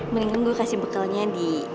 mendingan gue kasih bekalnya di